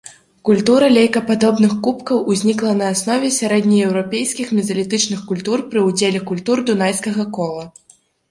Культура лейкападобных кубкаў ўзнікла на аснове сярэднееўрапейскіх мезалітычных культур пры ўдзеле культур дунайскага кола.